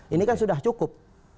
ini kan sudah cukup